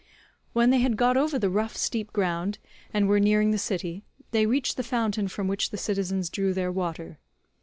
When they had got over the rough steep ground and were nearing the city, they reached the fountain from which the citizens drew their water.